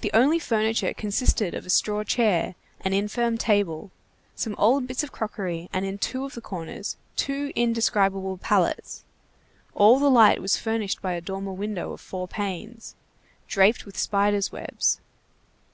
The only furniture consisted of a straw chair, an infirm table, some old bits of crockery, and in two of the corners, two indescribable pallets; all the light was furnished by a dormer window of four panes, draped with spiders' webs.